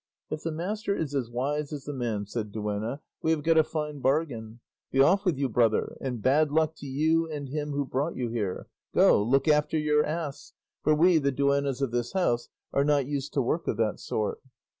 "If the master is as wise as the man," said the duenna, "we have got a fine bargain. Be off with you, brother, and bad luck to you and him who brought you here; go, look after your ass, for we, the duennas of this house, are not used to work of that sort."